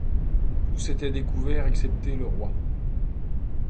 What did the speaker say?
Tous étaient découverts, excepté le roi.